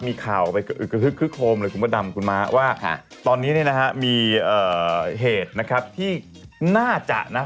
มีข่าวไปอึกกระทึกคึกโคมเลยคุณพระดำคุณม้าว่าตอนนี้เนี่ยนะฮะมีเหตุนะครับที่น่าจะนะ